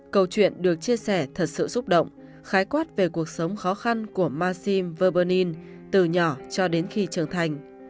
câu chuyện được chia sẻ thật sự xúc động khái quát về cuộc sống khó khăn của maxim verbernie từ nhỏ cho đến khi trưởng thành